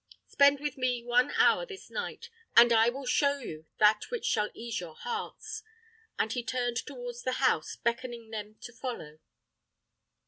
Spend with me one hour this night, and I will show you that which shall ease your hearts," and he turned towards the house, beckoning them to follow.